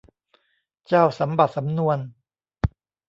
เจ้าสำบัดสำนวน